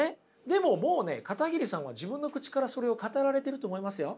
でももうね片桐さんは自分の口からそれを語られてると思いますよ。